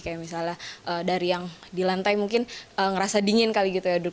kayak misalnya dari yang di lantai mungkin ngerasa dingin kali gitu ya